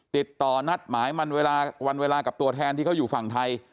ติดต่อนัดหมายมันเวลาวันเวลากับตัวแทนที่เขาอยู่ฝั่งไทย